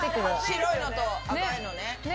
白いのと赤いのね。